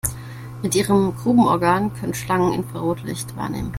Mit ihrem Grubenorgan können Schlangen Infrarotlicht wahrnehmen.